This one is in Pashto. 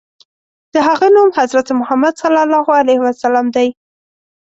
د هغه نوم حضرت محمد ص دی.